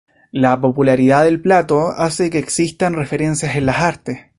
La popularidad del plato hace que existan referencias en las artes.